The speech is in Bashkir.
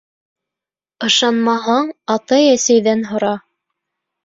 Ышанмаһаң, атай-әсәйҙән һора.